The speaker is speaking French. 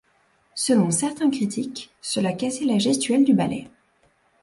Selon certains critiques cela cassait la gestuelle du ballet.